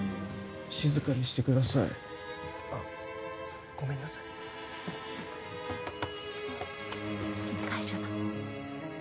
静かにしてくださいあっごめんなさいダイジョブ？